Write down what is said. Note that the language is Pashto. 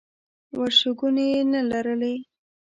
ورشوګانې یې نه لرلې.